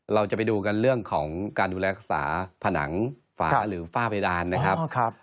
เราจะไปดูกันเรื่องของการดูแลรักษาผนังฝาหรือฝ้าเพดานนะครับ